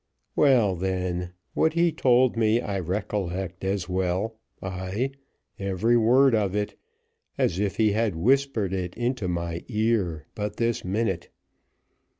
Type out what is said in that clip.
Well, then, what he told me I recollect as well ay, every word of it as if he had whispered it into my ear but this minute.